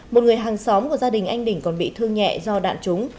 một người hàng xóm của gia đình anh đỉnh còn bị thương nhẹ do đạn trúng